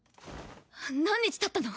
何日たったの？